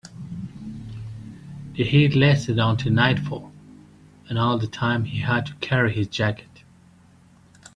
The heat lasted until nightfall, and all that time he had to carry his jacket.